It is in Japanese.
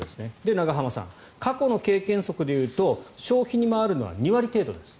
永濱さんは過去の経験則で言うと消費に回るのは２割程度ですと。